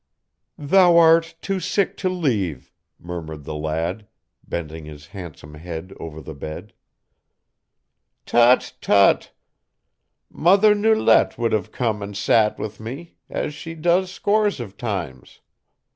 "Thou art too sick to leave," murmured the lad, bending his handsome head over the bed. "Tut! tut! Mother Nulette would have come and sat with me, as she does scores of times.